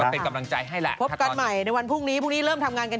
พบกันใหม่ในวันพรุ่งนี้